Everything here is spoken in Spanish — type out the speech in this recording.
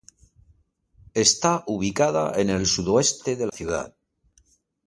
Está ubicada en el sudoeste de la ciudad.